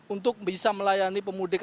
untuk bisa melayani pemudik